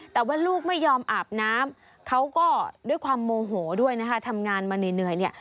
แต่ว่าลูกไม่ยอมอาบน้ำเขาก็ด้วยความโมโหด้วยนะคะทำงานมาเหนื่อยเนี่ย